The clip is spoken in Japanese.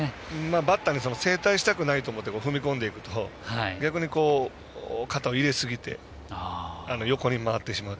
バッターに正対したかなということで踏み込んでいくと逆に肩を入れすぎてしまって横に回ってしまう。